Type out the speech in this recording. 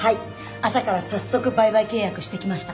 朝から早速売買契約してきました。